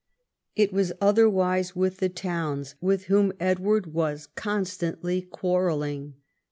It was otherwise with the towns, with whom Edward Avas constantly c^uarrelling.